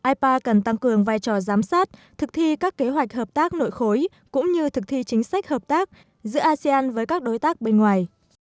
ipa cần tăng cường vai trò giám sát thực thi các kế hoạch hợp tác nội khối cũng như thực thi chính sách hợp tác giữa asean với các đối tác bên ngoài